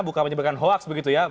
bukan menyebabkan hoaks begitu ya